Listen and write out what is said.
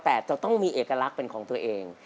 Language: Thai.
แต่จะต้องมีเอกลักษณ์เป็นของตัวเอง